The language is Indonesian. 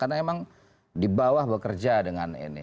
karena memang di bawah bekerja dengan ini